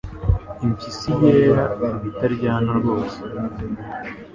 Impyisi yera iba itaryana rwose